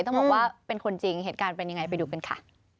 ต้องบอกว่าเป็นคนจริงเหตุการณ์เป็นยังไงไปดูกันค่ะ